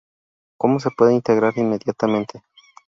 Como se puede integrar inmediatamente.